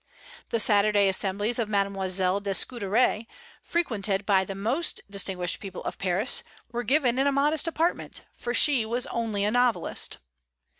The Saturday assemblies of Mademoiselle de Scudéry, frequented by the most distinguished people of Paris, were given in a modest apartment, for she was only a novelist.